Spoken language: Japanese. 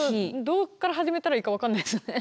どっから始めたらいいか分かんないですね。